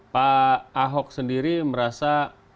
pak ahok sendiri merasa